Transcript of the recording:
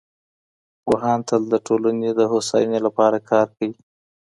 پوهان تل د ټولني د هوساینې لپاره کار کوي.